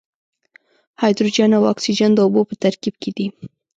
هایدروجن او اکسیجن د اوبو په ترکیب کې دي.